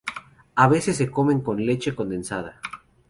A veces se comen con leche condensada.